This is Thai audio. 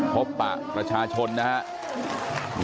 ทบปลักษณ์ประชาชนนะฮะ